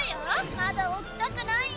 まだ起きたくないよ。